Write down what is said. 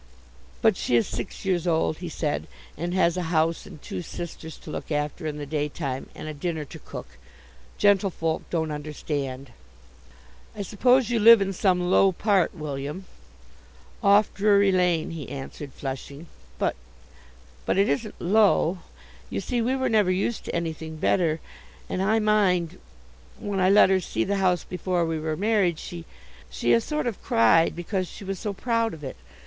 "But she is six years old," he said, "and has a house and two sisters to look after in the daytime, and a dinner to cook. Gentlefolk don't understand." "I suppose you live in some low part, William." "Off Drury Lane," he answered, flushing; "but but it isn't low. You see, we were never used to anything better, and I mind, when I let her see the house before we were married, she she a sort of cried, because she was so proud of it.